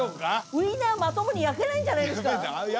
ウインナーまともに焼けないんじゃないですか？